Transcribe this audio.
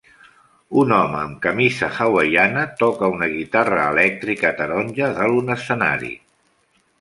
Un home amb camisa hawaiana toca una guitarra elèctrica taronja dalt un escenari.